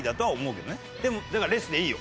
だからレスでいいよ。